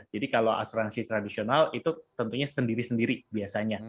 jadi kalau asuransi tradisional itu tentunya sendiri sendiri biasanya